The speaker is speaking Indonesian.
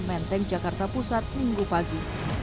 menteng jakarta pusat minggu pagi